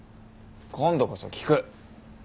今度こそ聞く。